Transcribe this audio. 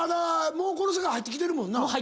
もうこの世界入ってるもんな？